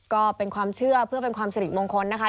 ก็เป็นความเชื่อเพื่อเป็นความสิริมงคลนะคะ